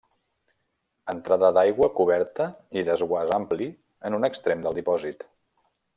Entrada d'aigua coberta i desguàs ampli en un extrem del dipòsit.